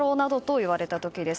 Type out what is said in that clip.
言われた時です。